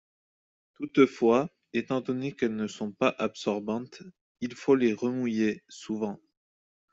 Toutefois, étant donné qu'elles ne sont pas absorbantes, il faut les remouiller souvent.